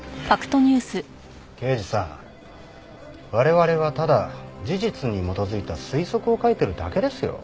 刑事さん我々はただ事実に基づいた推測を書いてるだけですよ。